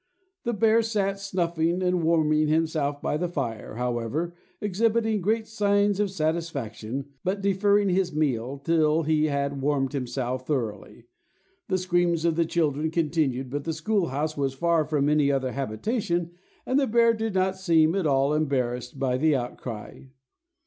The bear sat snuffing and warming himself by the fire, however, exhibiting great signs of satisfaction, but deferring his meal till he had warmed himself thoroughly. The screams of the children continued, but the school house was far from any other habitation, and the bear did not seem at all embarrassed by the outcry.